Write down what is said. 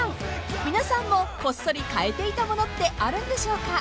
［皆さんもこっそり変えていたものってあるんでしょうか？］